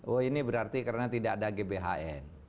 oh ini berarti karena tidak ada gbhn